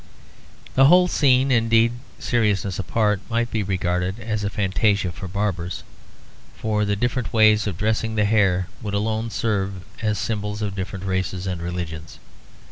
The whole scene indeed, seriousness apart, might be regarded as a fantasia for barbers; for the different ways of dressing the hair would alone serve as symbols of different races and religions.